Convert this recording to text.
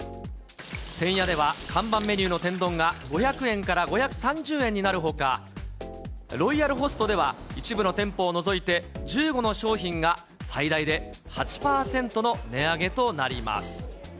てんやでは看板メニューの天丼が５００円から５３０円になるほか、ロイヤルホストでは、一部の店舗を除いて１５の商品が最大で８％の値上げとなります。